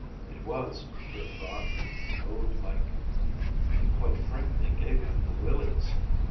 It was, Rick thought, toad like. It quite frankly gave him the willies.